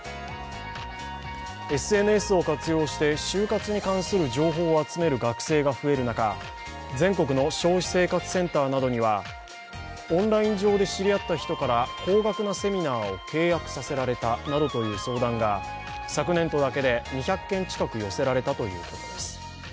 ＳＮＳを活用して就活に関する情報を集める学生が増える中、全国の消費生活センターなどには、オンライン上で知り合った人から高額なセミナーを契約させられたなどという相談が昨年度だけで２００件近く寄せられたということです。